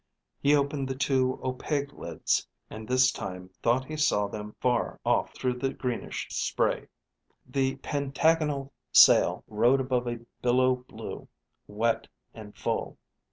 He opened the two opaque lids, and this time thought he saw them far off through the greenish spray. The pentagonal sail rode above a billow blue, wet, and full.